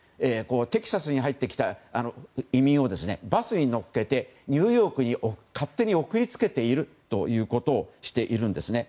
テキサスに入ってきた移民をバスに乗っけてニューヨークに勝手に送り付けているということをしているんですね。